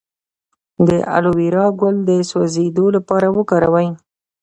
د الوویرا ګل د سوځیدو لپاره وکاروئ